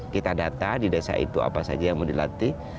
kita data di desa itu apa saja yang mau dilatih